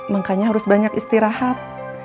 makanya harus banyak istirahat